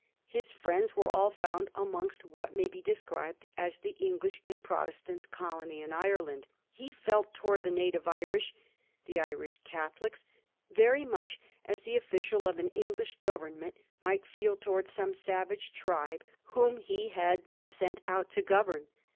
His friends were all found amongst what may be described as the English and Protestant colony in Ireland. He felt towards the native Irish — the Irish Catholics — ^very much as the official of an English Government might feel towards some savage tribe whom he had been sent out to govern.